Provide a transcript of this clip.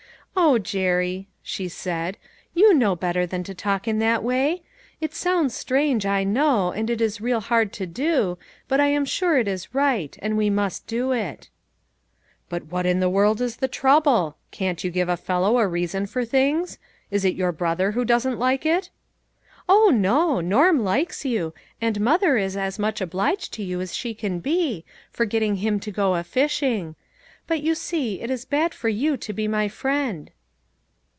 " O, Jerry !" she said, " you know better than to talk in that way. It sounds strange, I know, and it is real hard to do, but I am sure it is right, and we must do it." " But what in the world is the trouble ? Can't you give a fellow a reason for things? Is it your brother who doesn't like it ?"" O no ! Norm likes you ; and mother is as much obliged to you as she can be, for getting him to go a fishing. But, you see, it is bad for you to be my friend."